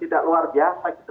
tidak luar biasa gitu